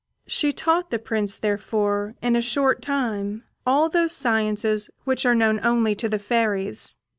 She taught the Prince, therefore, in a short time, all those sciences which are known only to the fairies.